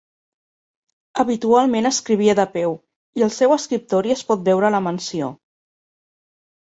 Habitualment escrivia de peu, i el seu escriptori es pot veure a la mansió.